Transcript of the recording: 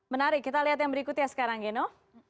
menarik kita lihat yang berikutnya sekarang geno